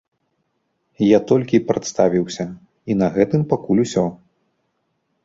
Я толькі прадставіўся, і на гэтым пакуль усё.